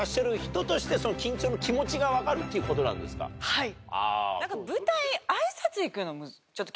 はい。